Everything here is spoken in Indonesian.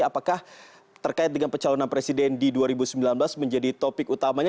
apakah terkait dengan pencalonan presiden di dua ribu sembilan belas menjadi topik utamanya